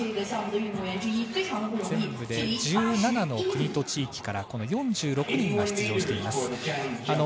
１７の国と地域から４６人が出場しています。